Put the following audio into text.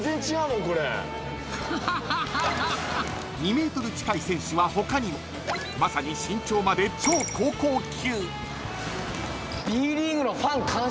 ［２ｍ近い選手は他にも］［まさに身長まで超高校級］